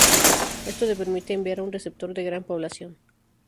Esto le permite enviar a un receptor de gran población.